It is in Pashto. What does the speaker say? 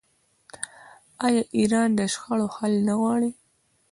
آیا ایران د شخړو حل نه غواړي؟